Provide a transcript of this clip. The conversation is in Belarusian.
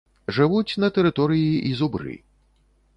Жывуць на тэрыторыі і зубры.